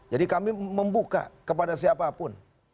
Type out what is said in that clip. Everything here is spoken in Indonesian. jadi kami membuka kepada siapapun